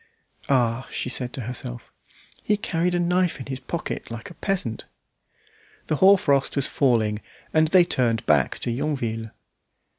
"Ah!" she said to herself, "he carried a knife in his pocket like a peasant." The hoar frost was falling, and they turned back to Yonville.